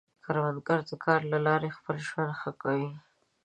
کروندګر د کار له لارې خپل ژوند ښه کوي